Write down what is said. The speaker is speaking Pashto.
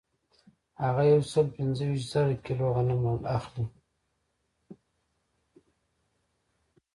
هغه یو سل پنځه ویشت زره کیلو غنم اخلي